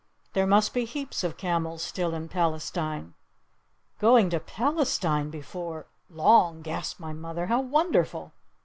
There must be heaps of camels still in Palestine." "Going to Palestine before long," gasped my mother. "How wonderful!"